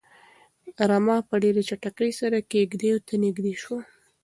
رمه په ډېرې چټکۍ سره کيږديو ته نږدې شوه.